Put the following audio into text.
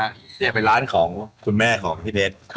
เขาอยากไปล้างของคุณแม่ของพี่เฮด